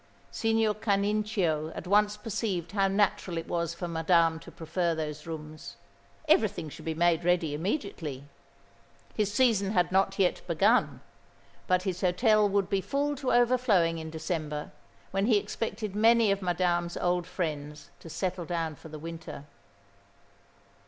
Signor Canincio at once perceived how natural it was for Madame to prefer those rooms. Everything should be made ready immediately. His season had not yet begun; but his hotel would be full to overflowing in December, when he expected many of Madame's old friends to settle down for the winter.